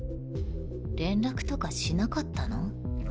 連絡とかしなかったの？